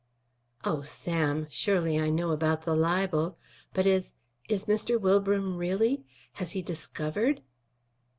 "Oh! Sam. Surely I know about the libel. But is is Mr. Wilbram really Has he discovered?"